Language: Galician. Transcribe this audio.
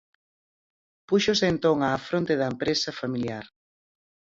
Púxose entón á fronte da empresa familiar.